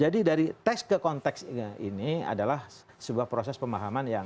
jadi dari teks ke konteks ini adalah sebuah proses yang sangat penting